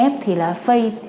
f thì là face